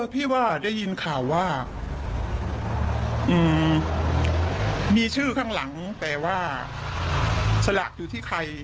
พี่ว่าได้ยินข่าวว่ามีชื่อข้างหลังแต่ว่าสละอยู่ที่ใคร